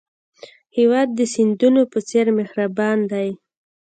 هېواد د سیندونو په څېر مهربان دی.